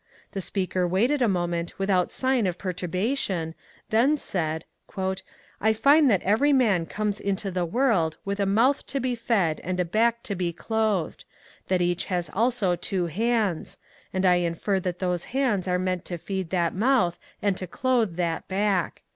The speaker waited a moment without sign of perturbation, then said :^^ I find that every man comes into the world with a mouth to be fed and a back to be clothed ; that each has also two hands ; and I infer that those hands are meant to feed that mouth and to clothe that back.